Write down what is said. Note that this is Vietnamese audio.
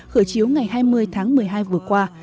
khởi chiếu ngày hai mươi tháng một mươi hai vừa qua